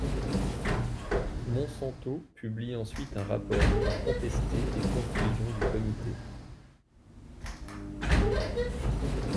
Monsanto publie ensuite un rapport pour contester les conclusions du comité.